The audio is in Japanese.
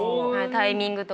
タイミングとか。